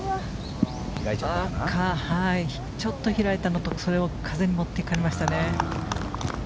ちょっと開いたのとそれを風に持っていかれましたね。